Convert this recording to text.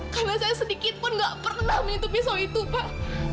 karena saya sedikit pun nggak pernah menyentuh pisau itu pak